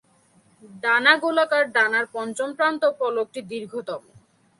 ডানা গোলাকার; ডানার পঞ্চম প্রান্ত-পালকটি দীর্ঘতম।